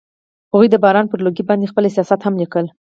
هغوی د باران پر لرګي باندې خپل احساسات هم لیکل.